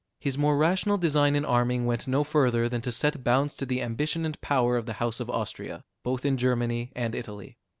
His more rational design in arming went no further than to set bounds to the ambition and power of the house of Austria, both in Germany and Italy.